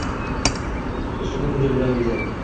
Ustini kunjut bilan bezang